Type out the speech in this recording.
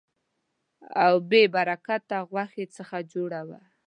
او بې برکته غوښې څخه جوړه وه.